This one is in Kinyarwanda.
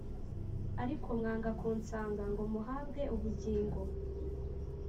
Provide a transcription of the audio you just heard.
Ariko mwanga kunsanga ngo muhabwe ubugingo